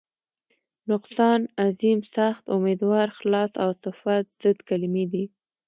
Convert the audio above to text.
نقصان، عظیم، سخت، امیدوار، خلاص او صفت ضد کلمې دي.